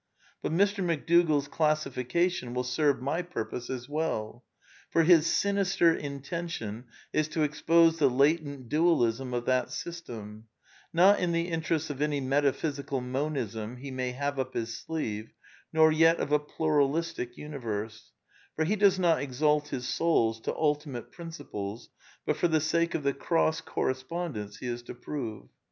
But Mr. McDougalFs classification will serve my purpose as well, for his sinister intention is to expose the latent dualism of that system, not in the interests of any metaphysical Monism he may have up his sleeve nor yet of a Pluralistic Universe, for he does not exalt his souls to ultimate principles, but for the sake of the cross corre spondence he is to prove.